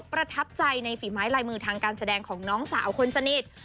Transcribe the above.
ประทับใจในฝีไม้ลายมือทางการแสดงของน้องสาวคนสนิท